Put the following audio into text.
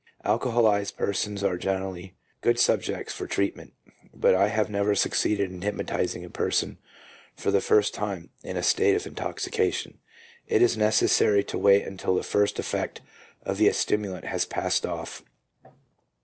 " Alcoholized persons are generally good subjects for treatment, but I have never succeeded in hypnotizing a person for the first time, in a state of intoxication. It is necessary to wait until the first effect of the stimulant has passed off."